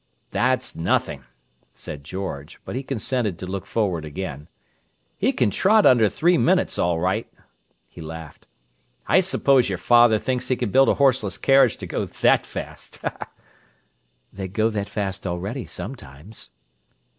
"That's nothing," said George; but he consented to look forward again. "He can trot under three minutes, all right." He laughed. "I suppose your father thinks he can build a horseless carriage to go that fast!" "They go that fast already, sometimes."